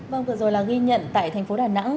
vâng vừa rồi là ghi nhận tại thành phố đà nẵng